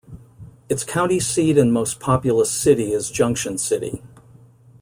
Its county seat and most populous city is Junction City.